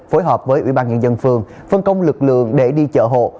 phối hợp với ủy ban nhân dân phường phân công lực lượng để đi chợ hộ